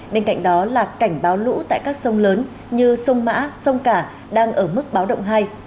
bên cạnh đó là cảnh báo lũ tại các sông lớn như sông mã sông cả đang ở mức báo động hai